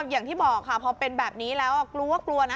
อย่างที่บอกพอเป็นแบบนี้แล้วกลัวนะ